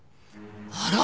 あら？